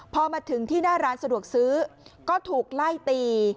พอมาถึงที่หน้าร้านสะดวกซื้อก็ถูกไล่ตี